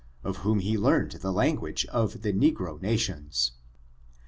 of whom he learned the language of the ne gro nations.